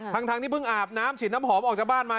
ทั้งที่เพิ่งอาบน้ำฉีดน้ำหอมออกจากบ้านมา